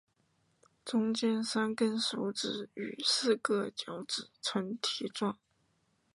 中间三跟手指与四个脚趾呈蹄状。